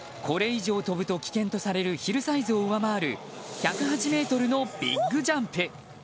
これ以上飛ぶと危険とされるヒルサイズを上回る１０８ｍのビッグジャンプ。